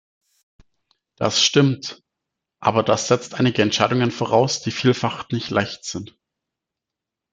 Das stimmt, aber das setzt einige Entscheidungen voraus, die vielfach nicht leicht sind.